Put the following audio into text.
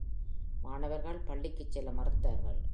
மாணவர்கள் பள்ளிக்குச் செல்ல மறுத்தார்கள்.